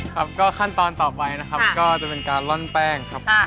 ครับก็ขั้นตอนต่อไปนะครับก็จะเป็นการล่อนแป้งครับ